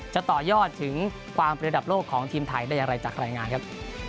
จะต่อยอดถึงความประดับโลกของทีมไทยได้อย่างไรจากรายงานครับ